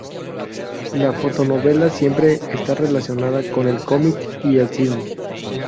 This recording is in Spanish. La fotonovela siempre está relacionada con el cómic y el cine.